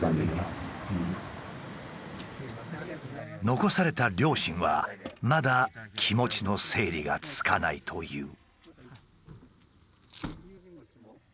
残された両親はまだ気持ちの整理がつかないという。